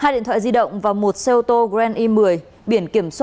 hai điện thoại di động và một xe ô tô grand i một mươi